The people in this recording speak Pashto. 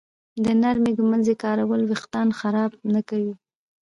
د نرمې ږمنځې کارول وېښتان خراب نه کوي.